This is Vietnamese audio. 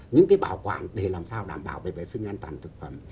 những cái bảo quản để làm sao đảm bảo về vệ sinh an toàn thực phẩm